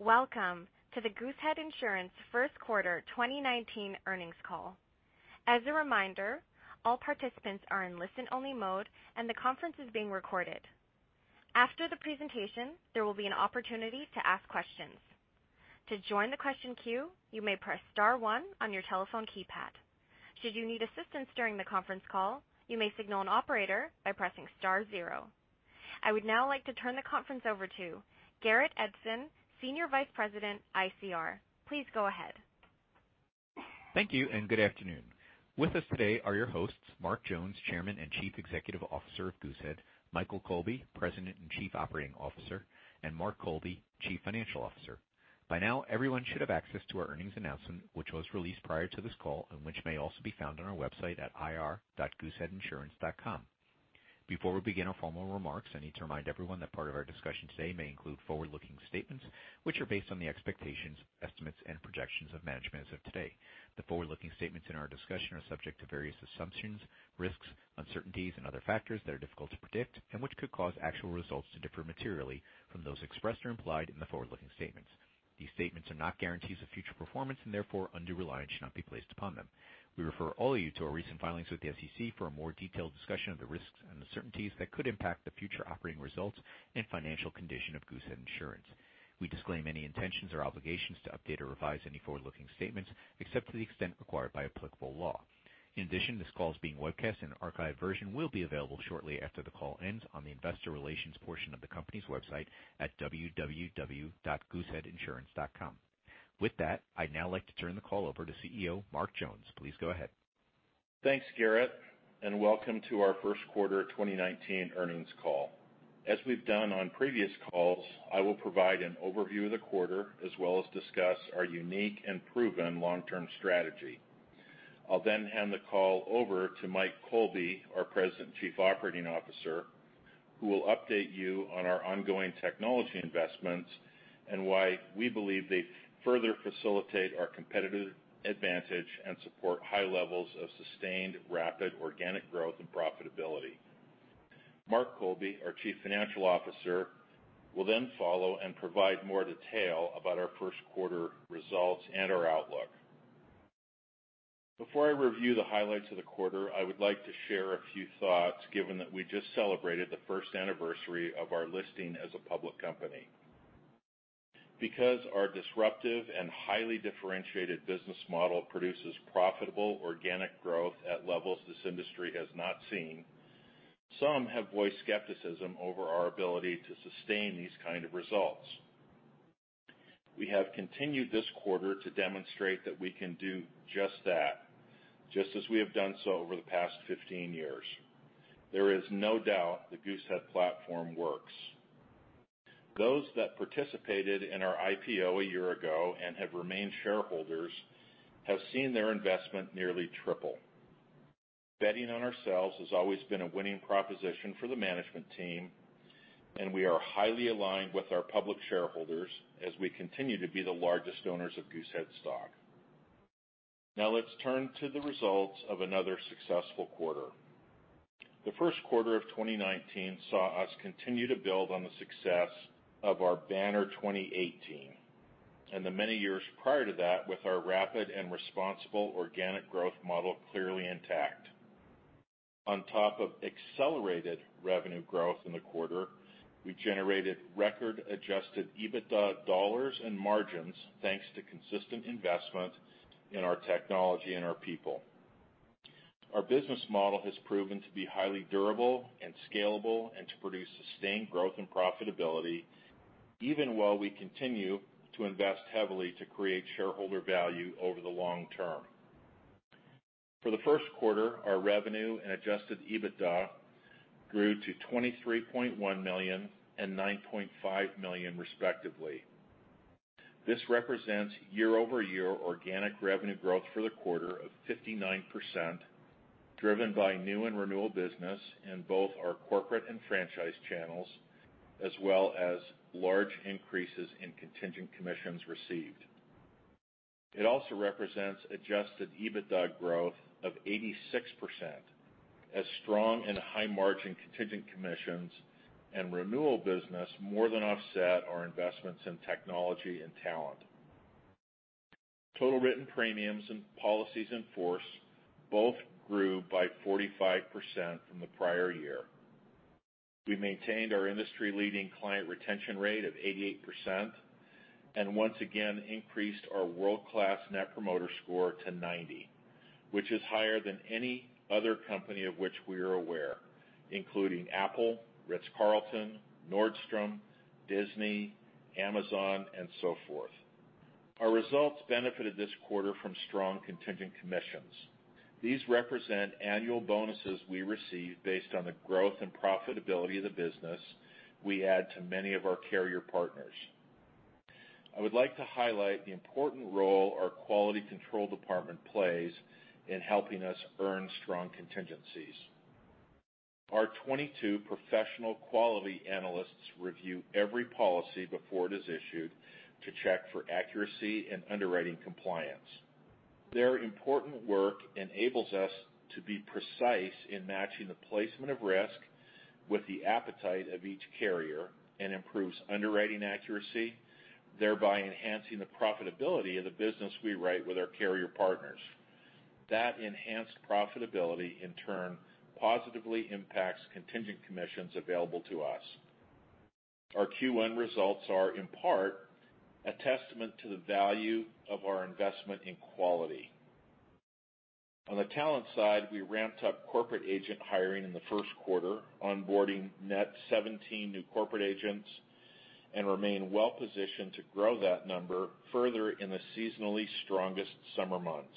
Welcome to the Goosehead Insurance first quarter 2019 earnings call. As a reminder, all participants are in listen-only mode, and the conference is being recorded. After the presentation, there will be an opportunity to ask questions. To join the question queue, you may press star one on your telephone keypad. Should you need assistance during the conference call, you may signal an operator by pressing star zero. I would now like to turn the conference over to Garrett Edson, Senior Vice President, ICR. Please go ahead. Thank you, and good afternoon. With us today are your hosts, Mark Jones, Chairman and Chief Executive Officer of Goosehead, Michael Colby, President and Chief Operating Officer, and Mark Colby, Chief Financial Officer. By now, everyone should have access to our earnings announcement, which was released prior to this call and which may also be found on our website at ir.gooseheadinsurance.com. Before we begin our formal remarks, I need to remind everyone that part of our discussion today may include forward-looking statements, which are based on the expectations, estimates, and projections of management as of today. The forward-looking statements in our discussion are subject to various assumptions, risks, uncertainties, and other factors that are difficult to predict and which could cause actual results to differ materially from those expressed or implied in the forward-looking statements. These statements are not guarantees of future performance, and therefore, undue reliance should not be placed upon them. We refer all of you to our recent filings with the SEC for a more detailed discussion of the risks and uncertainties that could impact the future operating results and financial condition of Goosehead Insurance. We disclaim any intentions or obligations to update or revise any forward-looking statements, except to the extent required by applicable law. In addition, this call is being webcast, and an archived version will be available shortly after the call ends on the investor relations portion of the company's website at www.gooseheadinsurance.com. With that, I'd now like to turn the call over to CEO Mark Jones. Please go ahead. Thanks, Garrett, and welcome to our first quarter 2019 earnings call. As we've done on previous calls, I will provide an overview of the quarter, as well as discuss our unique and proven long-term strategy. I'll then hand the call over to Mike Colby, our President and Chief Operating Officer, who will update you on our ongoing technology investments and why we believe they further facilitate our competitive advantage and support high levels of sustained rapid organic growth and profitability. Mark Colby, our Chief Financial Officer, will then follow and provide more detail about our first quarter results and our outlook. Before I review the highlights of the quarter, I would like to share a few thoughts given that we just celebrated the first anniversary of our listing as a public company. Because our disruptive and highly differentiated business model produces profitable organic growth at levels this industry has not seen, some have voiced skepticism over our ability to sustain these kind of results. We have continued this quarter to demonstrate that we can do just that, just as we have done so over the past 15 years. There is no doubt the Goosehead platform works. Those that participated in our IPO a year ago and have remained shareholders have seen their investment nearly triple. Betting on ourselves has always been a winning proposition for the management team, and we are highly aligned with our public shareholders as we continue to be the largest owners of Goosehead stock. Now let's turn to the results of another successful quarter. The first quarter of 2019 saw us continue to build on the success of our banner 2018 and the many years prior to that with our rapid and responsible organic growth model clearly intact. On top of accelerated revenue growth in the quarter, we generated record Adjusted EBITDA dollars and margins, thanks to consistent investment in our technology and our people. Our business model has proven to be highly durable and scalable and to produce sustained growth and profitability even while we continue to invest heavily to create shareholder value over the long term. For the first quarter, our revenue and Adjusted EBITDA grew to $23.1 million and $9.5 million respectively. This represents year-over-year organic revenue growth for the quarter of 59%, driven by new and renewal business in both our corporate and franchise channels, as well as large increases in contingent commissions received. It also represents Adjusted EBITDA growth of 86%, as strong and high-margin contingent commissions and renewal business more than offset our investments in technology and talent. Total written premiums and policies in force both grew by 45% from the prior year. We maintained our industry-leading client retention rate of 88% and once again increased our world-class Net Promoter Score to 90, which is higher than any other company of which we are aware, including Apple, Ritz-Carlton, Nordstrom, Disney, Amazon, and so forth. Our results benefited this quarter from strong contingent commissions. These represent annual bonuses we receive based on the growth and profitability of the business we add to many of our carrier partners. I would like to highlight the important role our quality control department plays in helping us earn strong contingencies. Our 22 professional quality analysts review every policy before it is issued to check for accuracy and underwriting compliance. Their important work enables us to be precise in matching the placement of risk with the appetite of each carrier and improves underwriting accuracy, thereby enhancing the profitability of the business we write with our carrier partners. That enhanced profitability, in turn, positively impacts contingent commissions available to us. Our Q1 results are, in part, a testament to the value of our investment in quality. On the talent side, we ramped up corporate agent hiring in the first quarter, onboarding net 17 new corporate agents, and remain well positioned to grow that number further in the seasonally strongest summer months.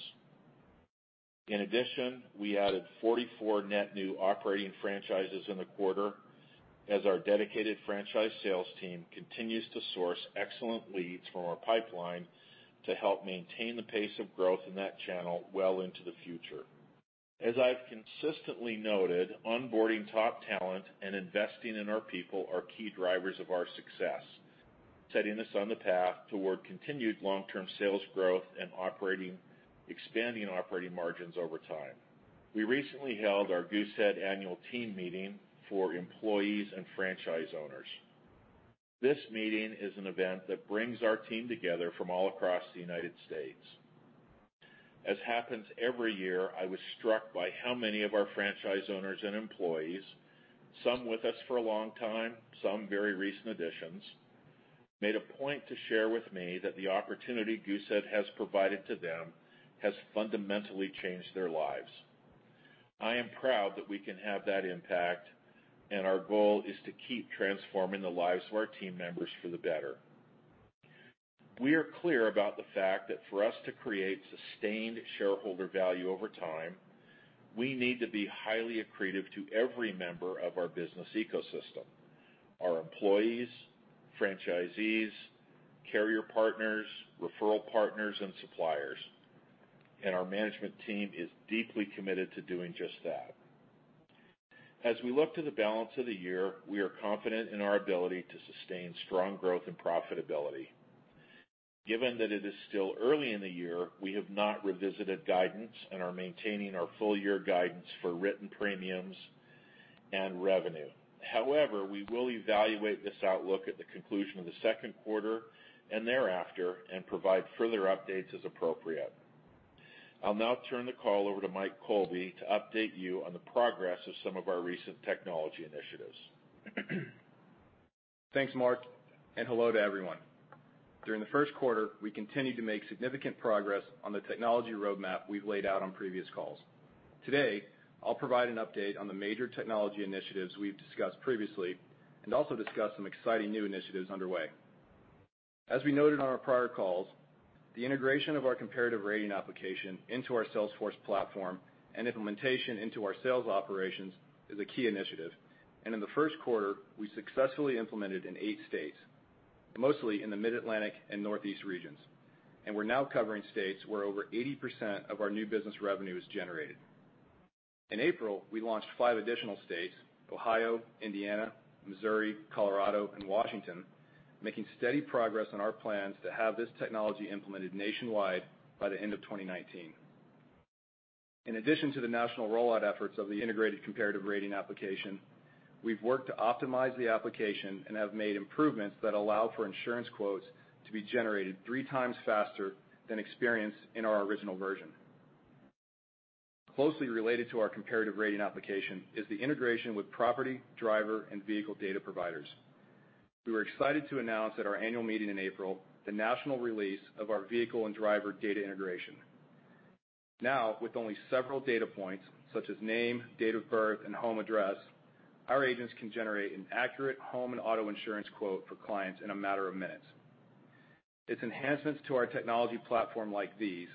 In addition, we added 44 net new operating franchises in the quarter as our dedicated franchise sales team continues to source excellent leads from our pipeline to help maintain the pace of growth in that channel well into the future. As I've consistently noted, onboarding top talent and investing in our people are key drivers of our success, setting us on the path toward continued long-term sales growth and expanding operating margins over time. We recently held our Goosehead annual team meeting for employees and franchise owners. This meeting is an event that brings our team together from all across the U.S. As happens every year, I was struck by how many of our franchise owners and employees, some with us for a long time, some very recent additions, made a point to share with me that the opportunity Goosehead has provided to them has fundamentally changed their lives. I am proud that we can have that impact, our goal is to keep transforming the lives of our team members for the better. We are clear about the fact that for us to create sustained shareholder value over time, we need to be highly accretive to every member of our business ecosystem, our employees, franchisees, carrier partners, referral partners, and suppliers. Our management team is deeply committed to doing just that. As we look to the balance of the year, we are confident in our ability to sustain strong growth and profitability. Given that it is still early in the year, we have not revisited guidance and are maintaining our full year guidance for written premiums and revenue. We will evaluate this outlook at the conclusion of the second quarter and thereafter and provide further updates as appropriate. I'll now turn the call over to Mike Colby to update you on the progress of some of our recent technology initiatives. Thanks, Mark, hello to everyone. During the first quarter, we continued to make significant progress on the technology roadmap we've laid out on previous calls. Today, I'll provide an update on the major technology initiatives we've discussed previously and also discuss some exciting new initiatives underway. As we noted on our prior calls, the integration of our comparative rating application into our Salesforce platform and implementation into our sales operations is a key initiative, and in the first quarter, we successfully implemented in eight states, mostly in the Mid-Atlantic and Northeast regions. We're now covering states where over 80% of our new business revenue is generated. In April, we launched five additional states, Ohio, Indiana, Missouri, Colorado, and Washington, making steady progress on our plans to have this technology implemented nationwide by the end of 2019. In addition to the national rollout efforts of the integrated comparative rating application, we've worked to optimize the application and have made improvements that allow for insurance quotes to be generated three times faster than experienced in our original version. Closely related to our comparative rating application is the integration with property, driver, and vehicle data providers. We were excited to announce at our annual meeting in April the national release of our vehicle and driver data integration. Now, with only several data points, such as name, date of birth, and home address, our agents can generate an accurate home and auto insurance quote for clients in a matter of minutes. It's enhancements to our technology platform like these,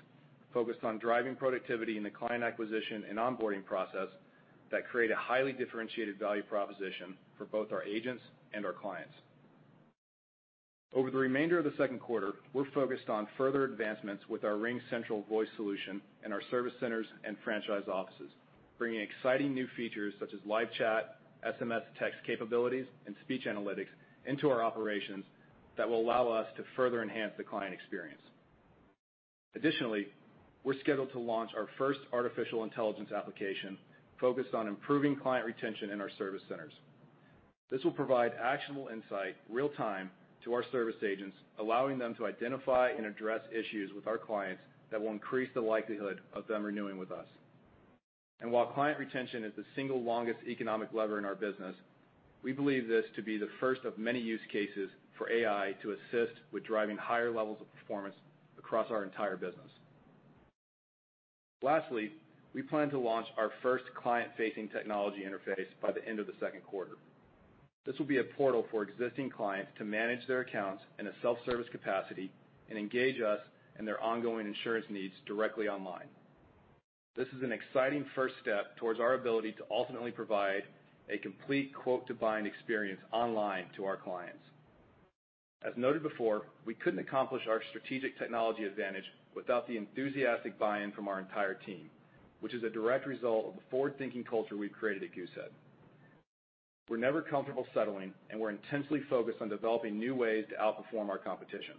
focused on driving productivity in the client acquisition and onboarding process, that create a highly differentiated value proposition for both our agents and our clients. Over the remainder of the second quarter, we're focused on further advancements with our RingCentral voice solution in our service centers and franchise offices, bringing exciting new features such as live chat, SMS text capabilities, and speech analytics into our operations that will allow us to further enhance the client experience. Additionally, we're scheduled to launch our first artificial intelligence application focused on improving client retention in our service centers. This will provide actionable insight real time to our service agents, allowing them to identify and address issues with our clients that will increase the likelihood of them renewing with us. While client retention is the single longest economic lever in our business, we believe this to be the first of many use cases for AI to assist with driving higher levels of performance across our entire business. Lastly, we plan to launch our first client facing technology interface by the end of the second quarter. This will be a portal for existing clients to manage their accounts in a self-service capacity and engage us in their ongoing insurance needs directly online. This is an exciting first step towards our ability to ultimately provide a complete quote-to-bind experience online to our clients. As noted before, we couldn't accomplish our strategic technology advantage without the enthusiastic buy-in from our entire team, which is a direct result of the forward-thinking culture we've created at Goosehead. We're never comfortable settling, and we're intensely focused on developing new ways to outperform our competition.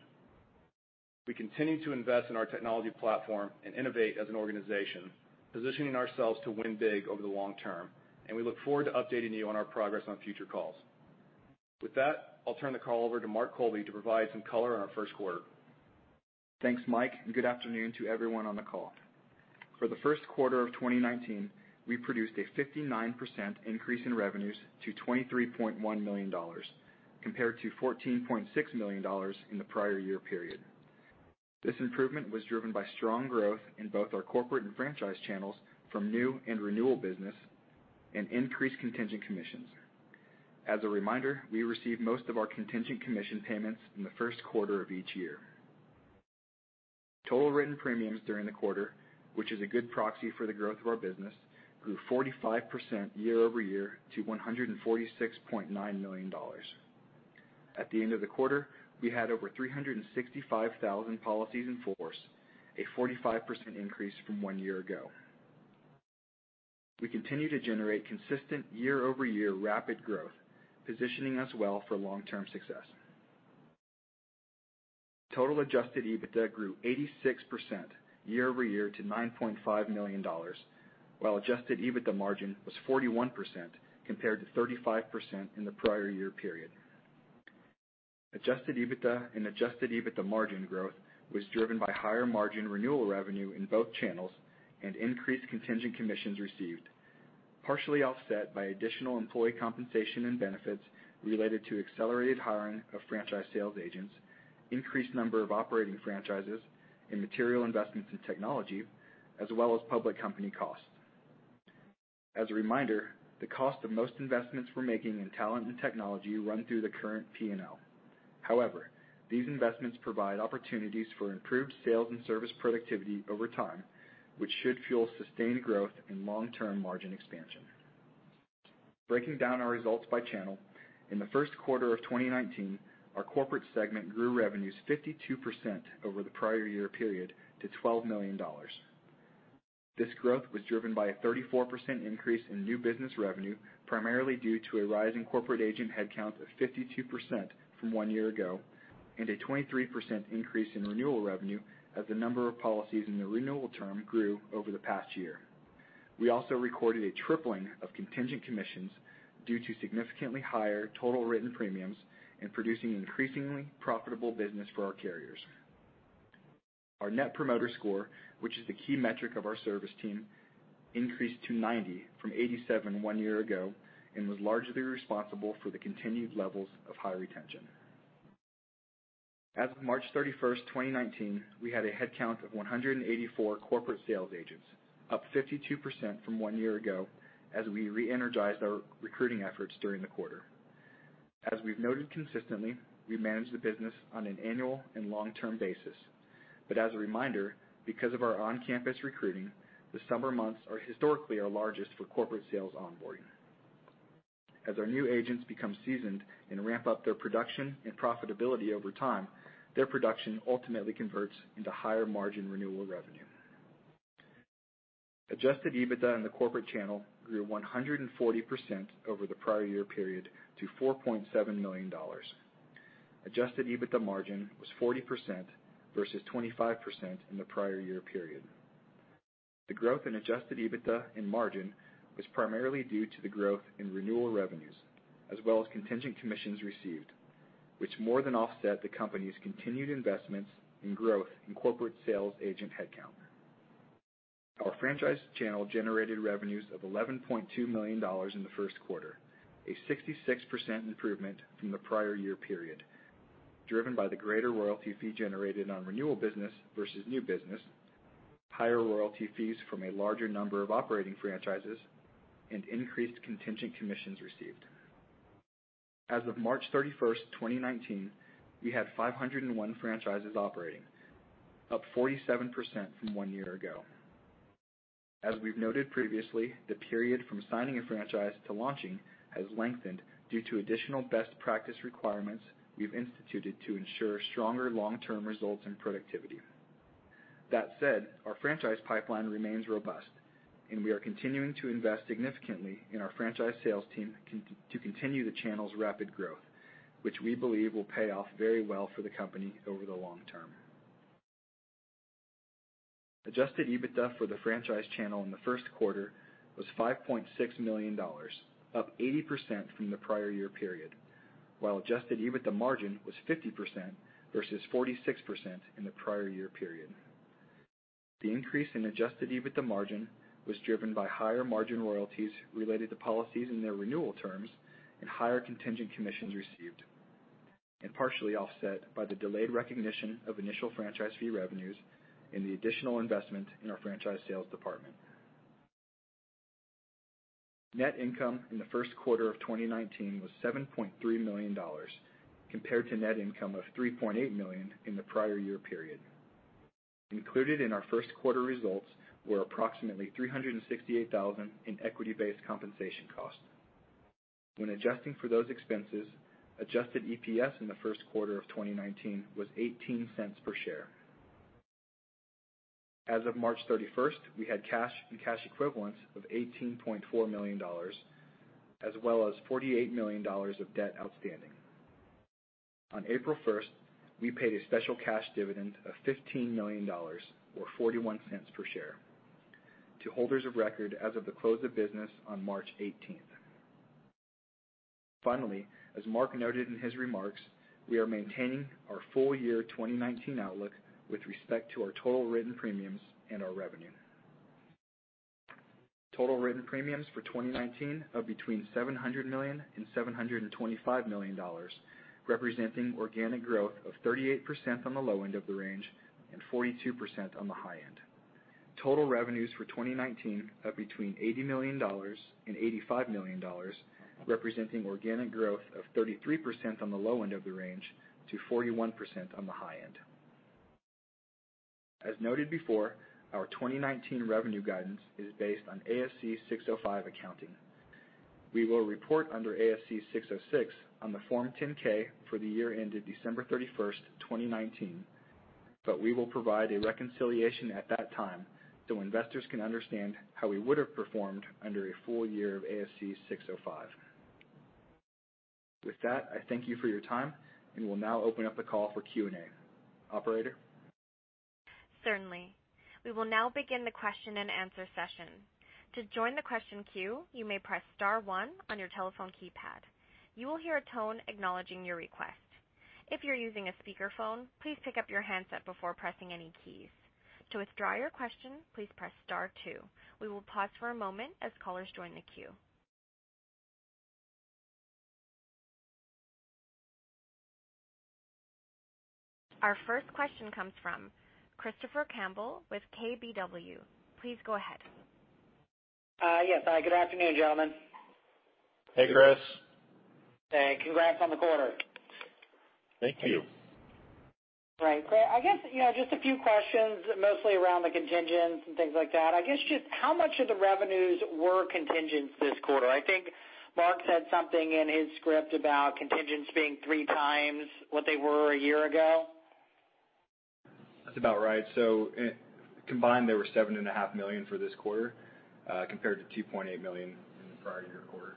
We continue to invest in our technology platform and innovate as an organization, positioning ourselves to win big over the long term, and we look forward to updating you on our progress on future calls. With that, I'll turn the call over to Mark Colby to provide some color on our first quarter. Thanks, Mike, and good afternoon to everyone on the call. For the first quarter of 2019, we produced a 59% increase in revenues to $23.1 million, compared to $14.6 million in the prior year period. This improvement was driven by strong growth in both our corporate and franchise channels from new and renewal business and increased contingent commissions. As a reminder, we receive most of our contingent commission payments in the first quarter of each year. Total written premiums during the quarter, which is a good proxy for the growth of our business, grew 45% year-over-year to $146.9 million. At the end of the quarter, we had over 365,000 policies in force, a 45% increase from one year ago. We continue to generate consistent year-over-year rapid growth, positioning us well for long-term success. Total Adjusted EBITDA grew 86% year-over-year to $9.5 million, while Adjusted EBITDA margin was 41% compared to 35% in the prior year period. Adjusted EBITDA and Adjusted EBITDA margin growth was driven by higher margin renewal revenue in both channels and increased contingent commissions received, partially offset by additional employee compensation and benefits related to accelerated hiring of franchise sales agents, increased number of operating franchises, and material investments in technology, as well as public company costs. As a reminder, the cost of most investments we're making in talent and technology run through the current P&L. However, these investments provide opportunities for improved sales and service productivity over time, which should fuel sustained growth and long-term margin expansion. Breaking down our results by channel, in the first quarter of 2019, our corporate segment grew revenues 52% over the prior year period to $12 million. This growth was driven by a 34% increase in new business revenue, primarily due to a rise in corporate agent headcount of 52% from one year ago and a 23% increase in renewal revenue as the number of policies in the renewal term grew over the past year. We also recorded a tripling of contingent commissions due to significantly higher total written premiums and producing increasingly profitable business for our carriers. Our Net Promoter Score, which is the key metric of our service team, increased to 90 from 87 one year ago and was largely responsible for the continued levels of high retention. As of March 31st, 2019, we had a headcount of 184 corporate sales agents, up 52% from one year ago as we re-energized our recruiting efforts during the quarter. As we've noted consistently, we manage the business on an annual and long-term basis. As a reminder, because of our on-campus recruiting, the summer months are historically our largest for corporate sales onboarding. As our new agents become seasoned and ramp up their production and profitability over time, their production ultimately converts into higher margin renewal revenue. Adjusted EBITDA in the corporate channel grew 140% over the prior year period to $4.7 million. Adjusted EBITDA margin was 40% versus 25% in the prior year period. The growth in Adjusted EBITDA and margin was primarily due to the growth in renewal revenues, as well as contingent commissions received, which more than offset the company's continued investments in growth in corporate sales agent headcount. Our franchise channel generated revenues of $11.2 million in the first quarter, a 66% improvement from the prior year period, driven by the greater royalty fee generated on renewal business versus new business, higher royalty fees from a larger number of operating franchises, and increased contingent commissions received. As of March 31st, 2019, we had 501 franchises operating, up 47% from one year ago. As we've noted previously, the period from signing a franchise to launching has lengthened due to additional best practice requirements we've instituted to ensure stronger long-term results and productivity. That said, our franchise pipeline remains robust, and we are continuing to invest significantly in our franchise sales team to continue the channel's rapid growth, which we believe will pay off very well for the company over the long term. Adjusted EBITDA for the franchise channel in the first quarter was $5.6 million, up 80% from the prior year period, while Adjusted EBITDA margin was 50% versus 46% in the prior year period. The increase in Adjusted EBITDA margin was driven by higher margin royalties related to policies in their renewal terms and higher contingent commissions received, and partially offset by the delayed recognition of initial franchise fee revenues and the additional investment in our franchise sales department. Net income in the first quarter of 2019 was $7.3 million compared to net income of $3.8 million in the prior year period. Included in our first quarter results were approximately $368,000 in equity-based compensation costs. When adjusting for those expenses, Adjusted EPS in the first quarter of 2019 was $0.18 per share. As of March 31st, we had cash and cash equivalents of $18.4 million, as well as $48 million of debt outstanding. On April 1st, we paid a special cash dividend of $15 million, or $0.41 per share, to holders of record as of the close of business on March 18th. Finally, as Mark noted in his remarks, we are maintaining our full year 2019 outlook with respect to our total written premiums and our revenue. Total written premiums for 2019 are between $700 million and $725 million, representing organic growth of 38% on the low end of the range and 42% on the high end. Total revenues for 2019 are between $80 million and $85 million, representing organic growth of 33% on the low end of the range to 41% on the high end. As noted before, our 2019 revenue guidance is based on ASC 605 accounting. We will report under ASC 606 on the Form 10-K for the year end of December 31st, 2019, but we will provide a reconciliation at that time so investors can understand how we would've performed under a full year of ASC 605. With that, I thank you for your time and will now open up the call for Q&A. Operator? Certainly. We will now begin the question and answer session. To join the question queue, you may press star one on your telephone keypad. You will hear a tone acknowledging your request. If you're using a speakerphone, please pick up your handset before pressing any keys. To withdraw your question, please press star two. We will pause for a moment as callers join the queue. Our first question comes from Christopher Campbell with KBW. Please go ahead. Yes. Good afternoon, gentlemen. Hey, Chris. Hey. Congrats on the quarter. Thank you. Great. I guess just a few questions, mostly around the contingents and things like that. I guess just how much of the revenues were contingents this quarter? I think Mark said something in his script about contingents being three times what they were a year ago. That's about right. Combined, they were $7.5 million for this quarter, compared to $2.8 million in the prior year quarter.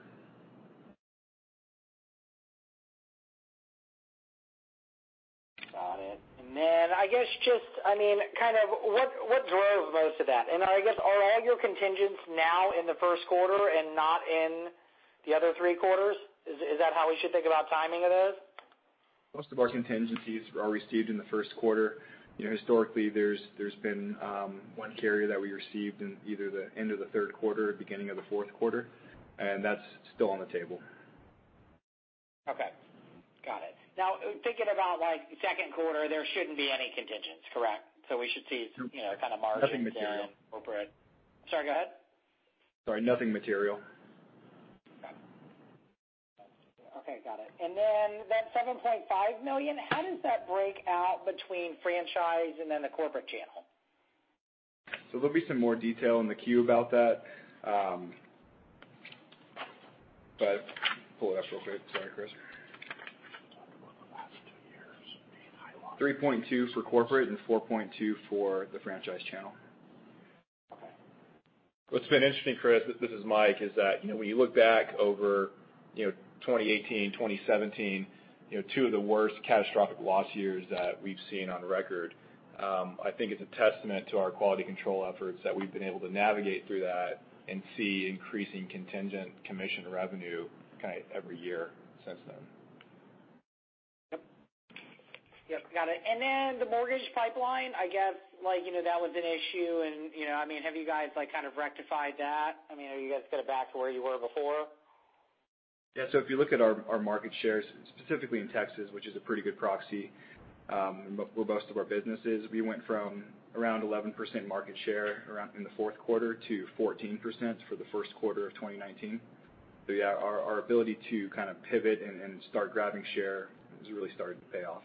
Got it. Then I guess just, kind of what drove most of that? I guess are all your contingents now in the first quarter and not in the other three quarters? Is that how we should think about timing of those? Most of our contingencies are received in the first quarter. Historically, there's been one carrier that we received in either the end of the third quarter or beginning of the fourth quarter, and that's still on the table. Okay. Got it. Thinking about second quarter, there shouldn't be any contingents, correct? We should see- No kind of margin- Nothing material over at Sorry, go ahead. Sorry. Nothing material. Okay. Got it. Then that $7.5 million, how does that break out between franchise and then the corporate channel? There'll be some more detail in the Q about that. Pull it up real quick. Sorry, Chris. Over the last two years, being high. $3.2 for corporate and $4.2 for the franchise channel. Okay. What's been interesting, Chris, this is Mike, is that when you look back over 2018, 2017, two of the worst catastrophic loss years that we've seen on record, I think it's a testament to our quality control efforts that we've been able to navigate through that and see increasing contingent commission revenue kind of every year since then. Yep. Got it. Then the mortgage pipeline, I guess that was an issue, and have you guys kind of rectified that? Have you guys got it back to where you were before? If you look at our market shares, specifically in Texas, which is a pretty good proxy, robust of our businesses, we went from around 11% market share in the fourth quarter to 14% for the first quarter of 2019. Yeah, our ability to kind of pivot and start grabbing share has really started to pay off.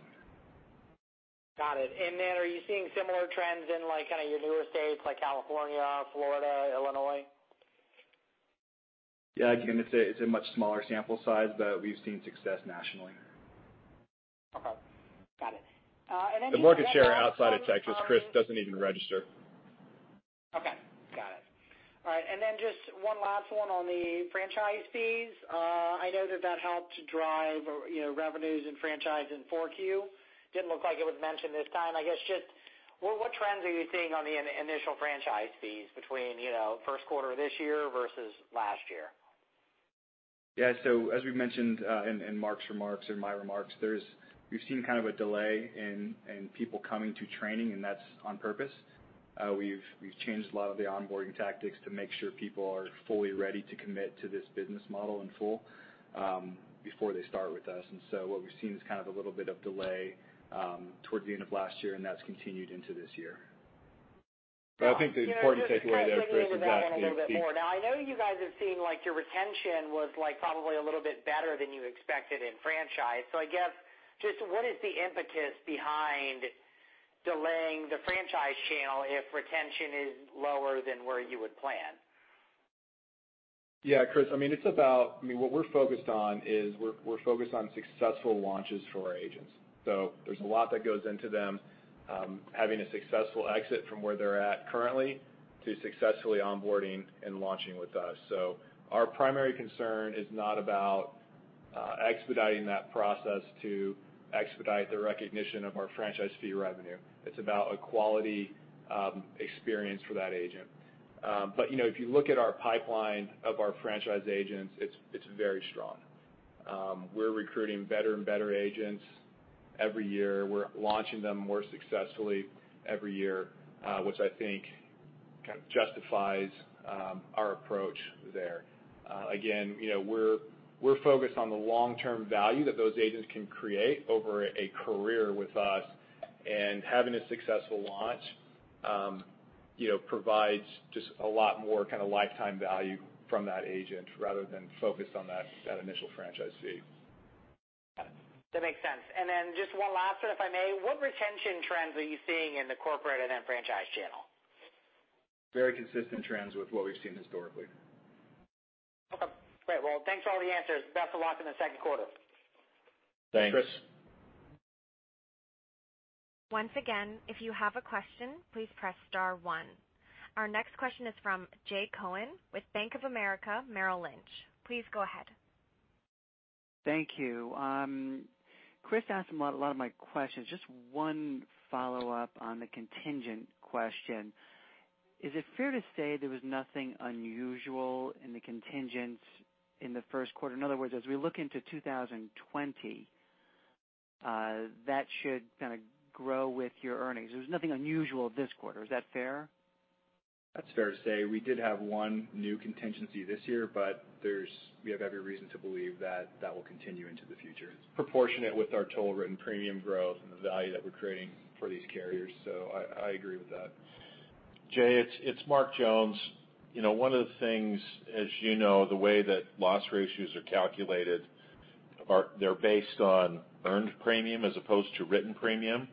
Got it. Are you seeing similar trends in your newer states like California, Florida, Illinois? Yeah, again, it's a much smaller sample size, but we've seen success nationally. Okay. Got it. Just one last- The market share outside of Texas, Chris, doesn't even register. Okay. Got it. All right, just one last one on the franchise fees. I noted that helped drive revenues in franchise in 4Q. Didn't look like it was mentioned this time. I guess just what trends are you seeing on the initial franchise fees between first quarter of this year versus last year? Yeah. As we've mentioned, in Mark's remarks and my remarks, we've seen kind of a delay in people coming to training, and that's on purpose. We've changed a lot of the onboarding tactics to make sure people are fully ready to commit to this business model in full, before they start with us. What we've seen is kind of a little bit of delay towards the end of last year, and that's continued into this year. I think the important takeaway there, Chris, is that Just kind of digging into that a little bit more. I know you guys have seen your retention was probably a little bit better than you expected in franchise. I guess just what is the impetus behind delaying the franchise channel if retention is lower than where you would plan? Yeah, Chris, what we're focused on is we're focused on successful launches for our agents. There's a lot that goes into them, having a successful exit from where they're at currently to successfully onboarding and launching with us. Our primary concern is not about expediting that process to expedite the recognition of our franchise fee revenue. It's about a quality experience for that agent. If you look at our pipeline of our franchise agents, it's very strong. We're recruiting better and better agents every year. We're launching them more successfully every year, which I think kind of justifies our approach there. We're focused on the long-term value that those agents can create over a career with us, and having a successful launch provides just a lot more kind of lifetime value from that agent rather than focused on that initial franchise fee. That makes sense. Just one last one, if I may. What retention trends are you seeing in the corporate and then franchise channel? Very consistent trends with what we've seen historically. Okay, great. Well, thanks for all the answers. Best of luck in the second quarter. Thanks. Thanks, Chris. Once again, if you have a question, please press star one. Our next question is from Jay Cohen with Bank of America, Merrill Lynch. Please go ahead. Thank you. Chris asked a lot of my questions. Just one follow-up on the contingent question. Is it fair to say there was nothing unusual in the contingents in the first quarter? In other words, as we look into 2020, that should kind of grow with your earnings. There was nothing unusual this quarter. Is that fair? That's fair to say. We did have one new contingency this year. We have every reason to believe that that will continue into the future. It's proportionate with our total written premium growth and the value that we're creating for these carriers. I agree with that. Jay, it's Mark Jones. One of the things, as you know, the way that loss ratios are calculated, they're based on earned premium as opposed to written premium.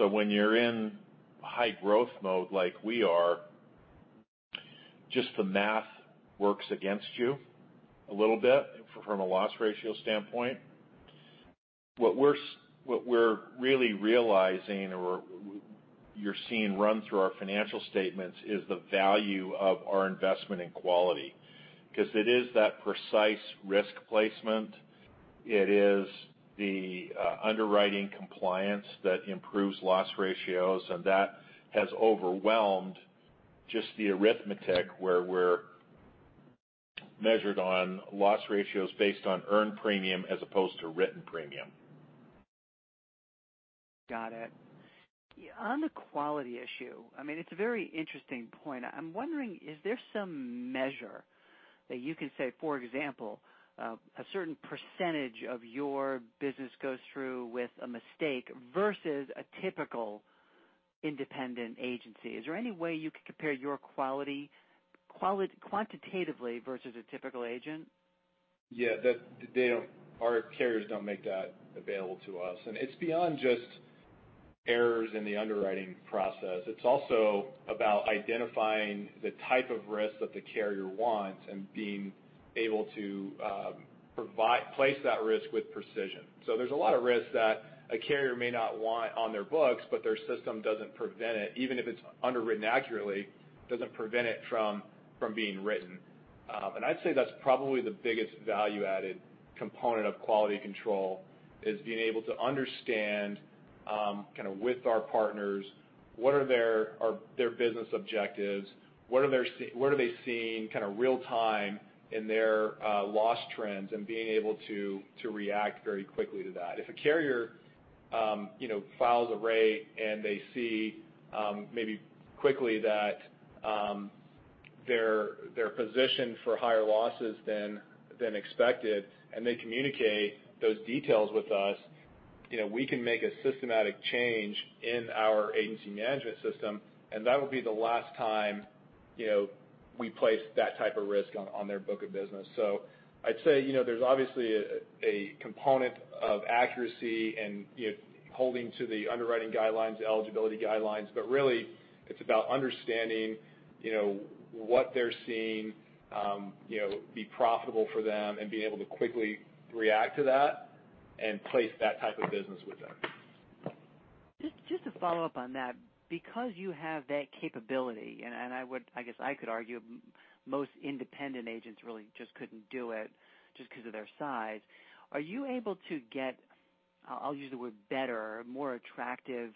When you're in high growth mode like we are, just the math works against you a little bit from a loss ratio standpoint. What we're really realizing, or you're seeing run through our financial statements, is the value of our investment in quality. It is that precise risk placement, it is the underwriting compliance that improves loss ratios. That has overwhelmed just the arithmetic where we're measured on loss ratios based on earned premium as opposed to written premium. Got it. On the quality issue, it's a very interesting point. I'm wondering, is there some measure that you can say, for example, a certain percentage of your business goes through with a mistake versus a typical independent agency? Is there any way you could compare your quality quantitatively versus a typical agent? Yeah. Our carriers don't make that available to us. It's beyond just errors in the underwriting process. It's also about identifying the type of risk that the carrier wants and being able to place that risk with precision. There's a lot of risk that a carrier may not want on their books. Their system doesn't prevent it, even if it's underwritten accurately, it doesn't prevent it from being written. I'd say that's probably the biggest value-added component of quality control, is being able to understand, kind of with our partners, what are their business objectives, what are they seeing kind of real time in their loss trends, and being able to react very quickly to that. If a carrier files a rate and they see maybe quickly that they're positioned for higher losses than expected, and they communicate those details with us, we can make a systematic change in our agency management system, and that will be the last time we place that type of risk on their book of business. I'd say there's obviously a component of accuracy and holding to the underwriting guidelines, eligibility guidelines, but really it's about understanding what they're seeing be profitable for them and being able to quickly react to that and place that type of business with them. Just to follow up on that, because you have that capability, and I guess I could argue most independent agents really just couldn't do it just because of their size. Are you able to get, I'll use the word better, more attractive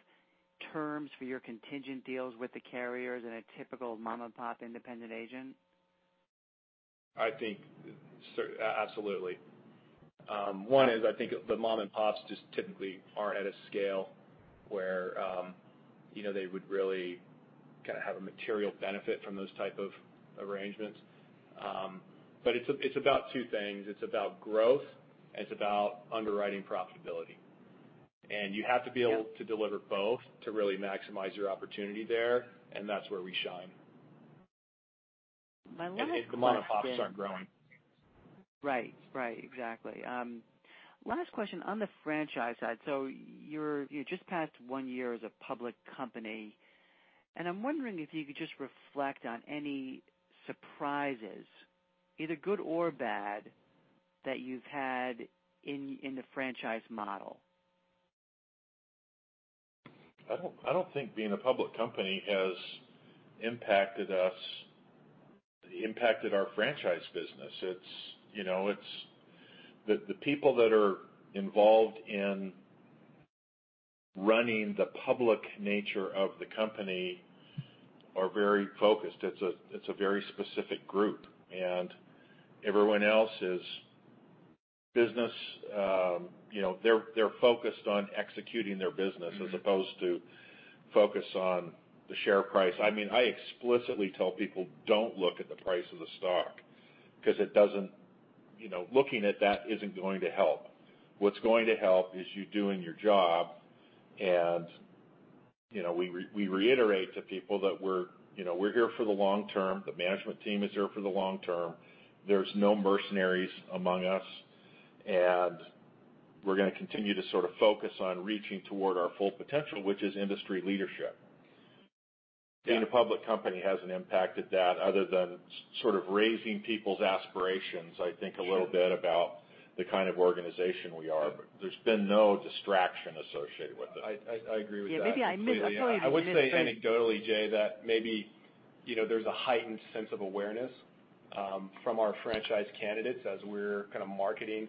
terms for your contingent deals with the carriers than a typical mom-and-pop independent agent? I think absolutely. One is, I think the mom-and-pops just typically aren't at a scale where they would really kind of have a material benefit from those type of arrangements. It's about two things. It's about growth, and it's about underwriting profitability. You have to be able to deliver both to really maximize your opportunity there, and that's where we shine. My last question. mom-and-pops aren't growing Right. Exactly. Last question on the franchise side. You just passed one year as a public company, and I'm wondering if you could just reflect on any surprises, either good or bad, that you've had in th e franchise model. I don't think being a public company has impacted our franchise business. The people that are involved in running the public nature of the company are very focused. It's a very specific group, everyone else is focused on executing their business as opposed to focused on the share price. I explicitly tell people, "Don't look at the price of the stock," because looking at that isn't going to help. What's going to help is you doing your job, and we reiterate to people that we're here for the long term, the management team is here for the long term. There's no mercenaries among us, and we're going to continue to sort of focus on reaching toward our full potential, which is industry leadership. Being a public company hasn't impacted that other than sort of raising people's aspirations, I think, a little bit about the kind of organization we are. There's been no distraction associated with it. I agree with that completely. I would say anecdotally, Jay, that maybe there's a heightened sense of awareness from our franchise candidates as we're kind of marketing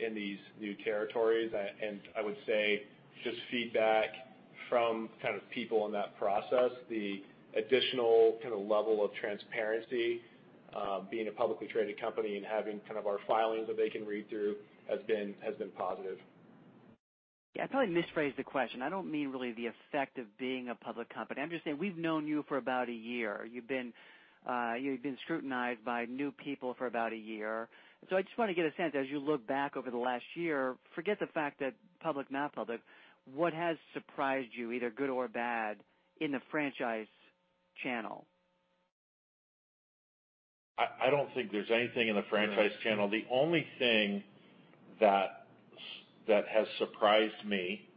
in these new territories. I would say just feedback from people in that process, the additional level of transparency, being a publicly traded company and having our filings that they can read through has been positive. Yeah, I probably misphrased the question. I don't mean really the effect of being a public company. I'm just saying, we've known you for about a year. You've been scrutinized by new people for about a year. I just want to get a sense, as you look back over the last year, forget the fact that public, not public, what has surprised you, either good or bad, in the franchise channel? I don't think there's anything in the franchise channel. The only thing that has surprised me,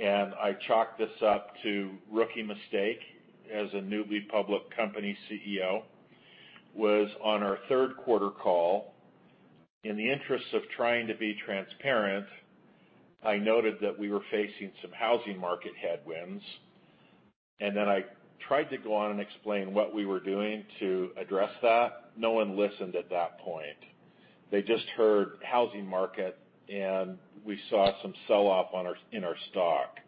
I chalk this up to rookie mistake as a newly public company CEO, was on our third quarter call. In the interest of trying to be transparent, I noted that we were facing some housing market headwinds. I tried to go on and explain what we were doing to address that. No one listened at that point. They just heard housing market, we saw some sell-off in our stock.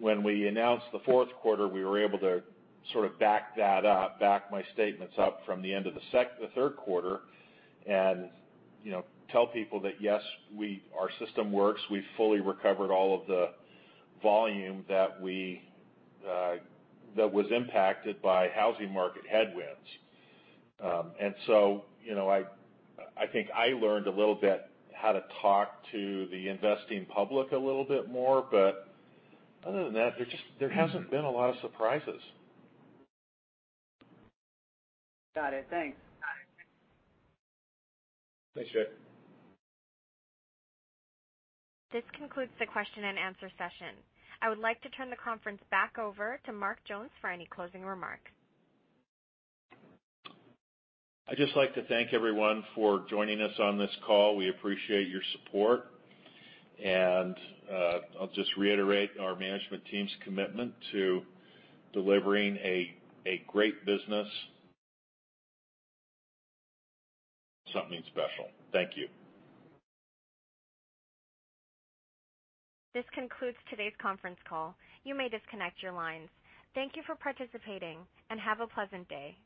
When we announced the fourth quarter, we were able to sort of back that up, back my statements up from the end of the third quarter, and tell people that, yes, our system works. We've fully recovered all of the volume that was impacted by housing market headwinds. I think I learned a little bit how to talk to the investing public a little bit more. Other than that, there hasn't been a lot of surprises. Got it. Thanks. Thanks, Jay. This concludes the question and answer session. I would like to turn the conference back over to Mark Jones for any closing remarks. I'd just like to thank everyone for joining us on this call. We appreciate your support, and I'll just reiterate our management team's commitment to delivering a great business, something special. Thank you. This concludes today's conference call. You may disconnect your lines. Thank you for participating and have a pleasant day.